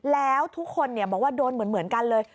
แล้วทุกคนบอกว่าโดนเหมือนกันเลย